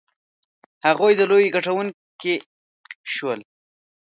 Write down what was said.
هغوی د لوبې ګټونکي شول.